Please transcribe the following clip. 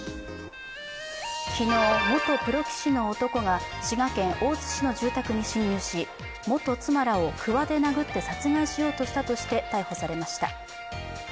昨日、元プロ棋士の男が滋賀県大津市の住宅に侵入し、元妻らをくわで殴って殺害しようとしたとして逮捕されました。